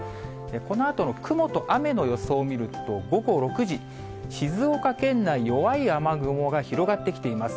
このあとの雲と雨の予想を見ると、午後６時、静岡県内、弱い雨雲が広がってきています。